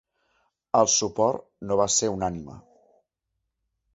El suport no va ser unànime.